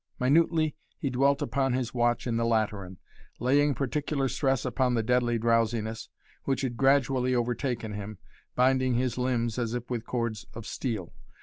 Minutely he dwelt upon his watch in the Lateran, laying particular stress upon the deadly drowsiness, which had gradually overtaken him, binding his limbs as with cords of steel.